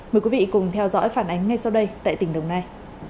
mời quý vị cùng theo dõi phản ánh ngay sau đây tại tỉnh đồng nai